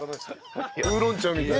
ウーロン茶みたい。